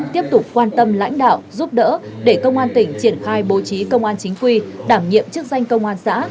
tiếp tục quan tâm lãnh đạo giúp đỡ để công an tỉnh triển khai bố trí công an chính quy đảm nhiệm chức danh công an xã